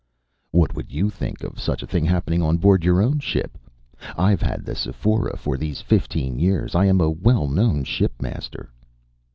"What would you think of such a thing happening on board your own ship? I've had the Sephora for these fifteen years. I am a well known shipmaster."